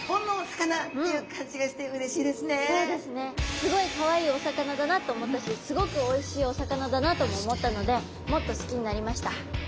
すごいかわいいお魚だなと思ったしすごくおいしいお魚だなとも思ったのでもっと好きになりました。